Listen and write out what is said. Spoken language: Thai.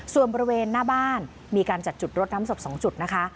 ส่วนบริเวณหน้าบ้านมีการจัดจุดรถน้ำศพ๒จุดนะคะ